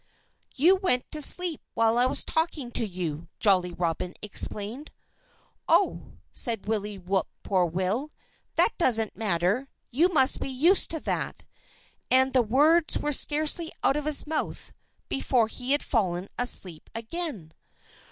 "You went to sleep while I was talking to you," Jolly Robin explained. "Oh!" said Willie Whip poor will. "That doesn't matter. You must be used to that." And the words were scarcely out of his mouth before he had fallen asleep again.